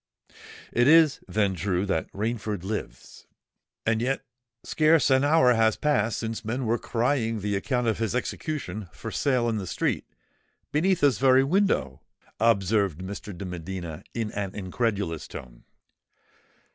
"It is, then, true that Rainford lives——" "And yet scarce an hour has passed since men were crying the account of his execution for sale in the street—beneath this very window," observed Mr. de Medina, in an incredulous tone.